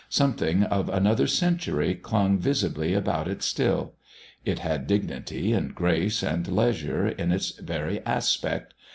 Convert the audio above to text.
Something of another century clung visibly about it still. It had dignity and grace and leisure in its very aspect.